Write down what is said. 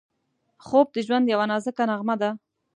خوب د ژوند یوه نازکه نغمه ده